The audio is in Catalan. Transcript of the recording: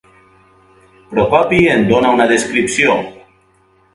Procopi en dona una descripció.